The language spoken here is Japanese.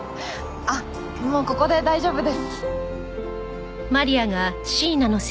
あっもうここで大丈夫です。